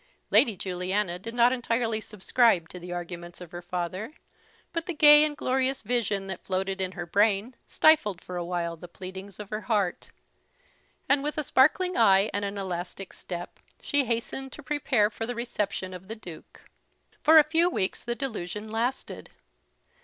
Lady Juliana did not entirely subscribe to the arguments of her father; but the gay and glorious vision that floated in her brain stifled for a while the pleadings of her heart; and with a sparkling eye and an elastic step she hastened to prepare for the reception of the Duke. For a few weeks the delusion lasted.